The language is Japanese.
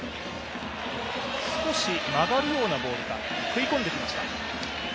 少し曲がるようなボールか、食い込んできました。